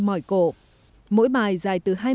mỏi cổ mỗi bài dài từ